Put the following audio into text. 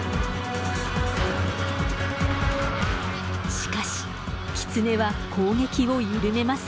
しかしキツネは攻撃を緩めません。